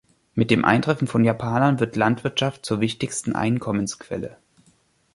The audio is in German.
Mit dem Eintreffen von Japanern wird Landwirtschaft zur wichtigstem Einkommensquelle.